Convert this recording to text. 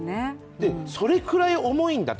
それぐらい重いんだと。